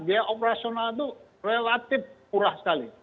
biaya operasional itu relatif murah sekali